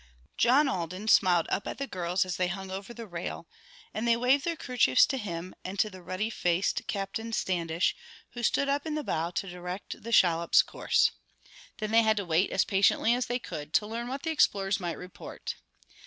John Alden smiled up at the girls as they hung over the rail, and they waved their kerchiefs to him and to the ruddy faced Captain Standish who stood up in the bow to direct the shallop's course. Then they had to wait as patiently as they could to learn what the explorers might report.